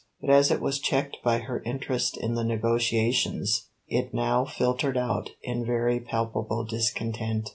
But as it was checked by her interest in the negotiations it now filtered out in very palpable discontent.